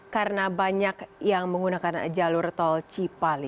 karena banyak yang menggunakan jalur tol cipali